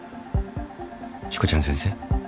しこちゃん先生。